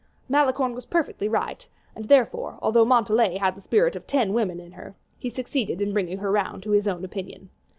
Malicorne was perfectly right, and, therefore, although Montalais had the spirit of ten women in her, he succeeded in bringing her round to his own opinion.